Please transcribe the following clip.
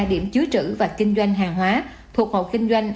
điểm chứa trữ và kinh doanh hàng hóa thuộc hộp kinh doanh